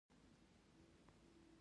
زه تر ډېره نه شم پاتېدای، ته راځه.